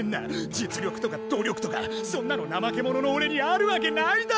実力とか努力とかそんなのなまけ者のおれにあるわけないだろ！